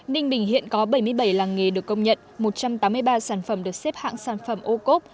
ninh bình hiện có bảy mươi bảy làng nghề được công nhận một trăm tám mươi ba sản phẩm được xếp hạng sản phẩm ô cốp